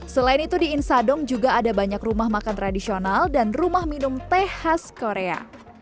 selain itu di insadong juga ada banyak rumah makan tradisional dan rumah minum teh khas korea